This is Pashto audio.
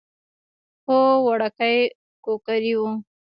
هو وړوکی کوکری و.